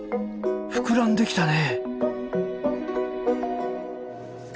膨らんできたね。